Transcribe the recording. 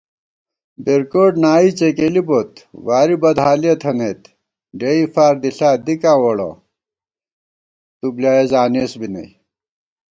بِرکوٹ نائی څېکېلی بوت، واری بدحالِیَہ تھنَئیت * ڈېئی فار دِݪا دِکاں ووڑہ تُو بۡلیایَہ زانېس بی نئ